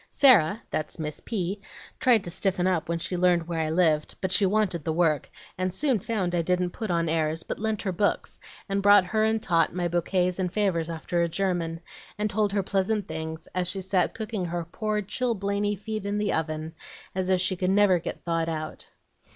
Sarah (that's Miss P.) tried to stiffen up when she learned where I lived; but she wanted the work, and soon found I didn't put on airs, but lent her books, and brought her and Tot my bouquets and favors after a german, and told her pleasant things as she sat cooking her poor chilblainy feet in the oven, as if she never could get thawed out.